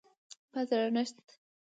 په درنښت،